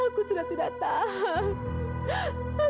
aku sudah tidak tahan